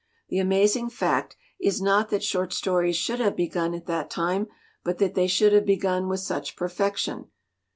The amazing fact is not that short stories should have begun at that time, but that they should have begun with such perfection.